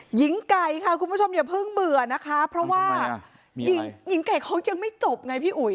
หญิงไก่ค่ะคุณผู้ชมอย่าเพิ่งเบื่อนะคะเพราะว่าหญิงไก่เขายังไม่จบไงพี่อุ๋ย